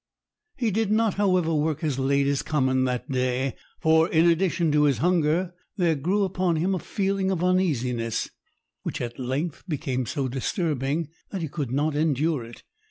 He did not, however, work as late as common that day, for in addition to his hunger, there grew upon him a feeling of uneasiness, which at length became so disturbing that he could not endure it.